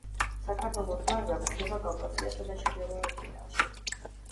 საქართველოს გარდა გვხვდება კავკასიასა და ჩრდილოეთ ირანში.